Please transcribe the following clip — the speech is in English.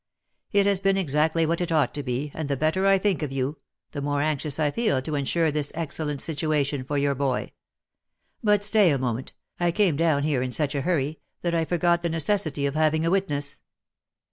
It has been exactly what it ought to be, and the better I think of you, the more anxious I feel to ensure this excellent situation for your boy. But stay a moment, I came down here in such a hurry, that I forgot the necessity of having a witness.